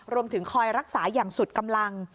รวมถึงคอยรักษาอย่างสุดกำลัง